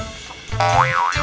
disini kalian ternyata ya